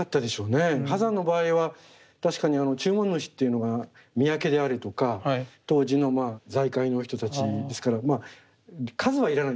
波山の場合は確かに注文主っていうのが宮家であるとか当時の財界の人たちですから数は要らないんですね。